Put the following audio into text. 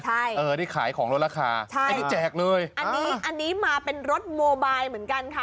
ใช่เออนี่ขายของลดราคาใช่อันนี้แจกเลยอันนี้อันนี้มาเป็นรถโมบายเหมือนกันค่ะ